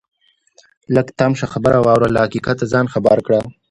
لږ تم شه خبره واوره ته له حقیقته ځان خبر کړه